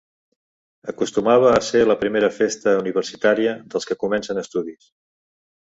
Acostumava a ser la primera festa universitària dels que comencen estudis.